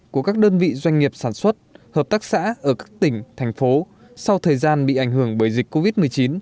của các đơn vị doanh nghiệp sản xuất hợp tác xã ở các tỉnh thành phố sau thời gian bị ảnh hưởng bởi dịch covid một mươi chín